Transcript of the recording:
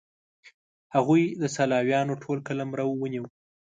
هغوی د سلاویانو ټول قلمرو ونیو.